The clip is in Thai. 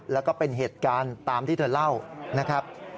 แล้วก็เป็นเหตุการณ์ตามที่เธอเล่านะครับ